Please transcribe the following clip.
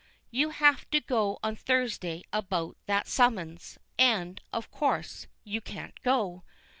"You have to go on Thursday about that summons; and, of course, you can't go.